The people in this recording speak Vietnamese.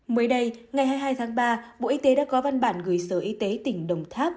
mới đây ngày hai mươi hai tháng ba bộ y tế đã có văn bản gửi sở y tế tỉnh đồng tháp